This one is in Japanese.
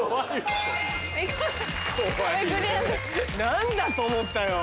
何だと思ったよ！